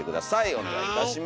お願いいたします。